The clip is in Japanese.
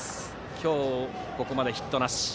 今日ここまでヒットなし。